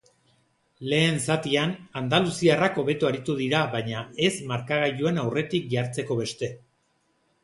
Lehen zatian, andaluziarrak hobeto aritu dira baina ez markagailuan aurretik jartzeko beste.